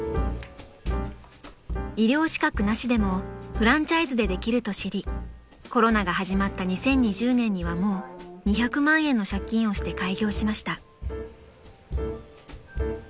［医療資格なしでもフランチャイズでできると知りコロナが始まった２０２０年にはもう２００万円の借金をして開業しました］